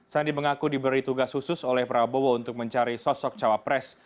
sandi mengaku diberi tugas khusus oleh prabowo untuk mencari sosok cawapres